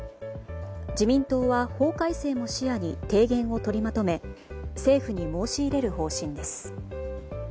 自民党は法改正も視野に提言を取りまとめ政府に申し入れる方針です。